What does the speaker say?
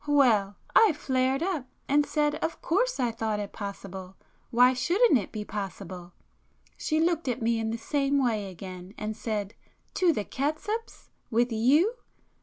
Well, I flared up, and said of course I thought it possible,—why shouldn't it be possible? She looked at me in the same way again and said—'To the Catsups? with you!